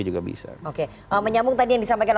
juga bisa oke menyambung tadi yang disampaikan